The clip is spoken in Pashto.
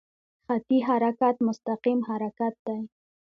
خطي حرکت مستقیم حرکت دی.